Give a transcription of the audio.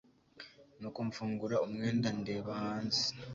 nuko mfungura umwenda ndeba hanze